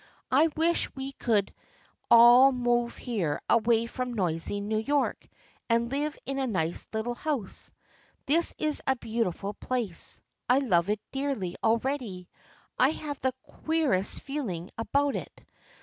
I wish we could all move here away from noisy New York and live in a nice little house. This is a beautiful place. I love it dearly already. I have the queerest feeling about it.